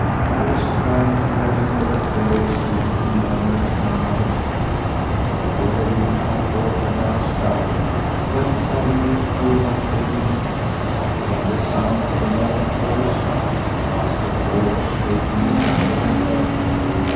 I was trying to remember the prayers I used to murmur at my mother's knee, for verily I thought that I was dying, when suddenly, through my fading senses, came the sound of a long, hoarse cry, whilst the floor was shaken as with an earthquake.